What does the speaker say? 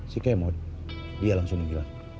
si kemod dia langsung menghilang